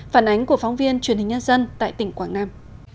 tuyên truyền hình nhân dân tại tỉnh quảng nam